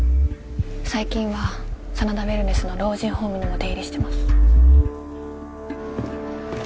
最近は真田ウェルネスの老人ホームにも出入りしてます